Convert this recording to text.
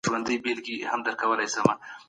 خپل کور تل په پاکه فضا کي ساتئ.